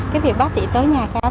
cái việc bác sĩ tới nhà khám